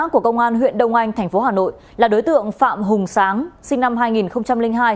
của công an huyện đông anh thành phố hà nội là đối tượng phạm hùng sáng sinh năm hai nghìn hai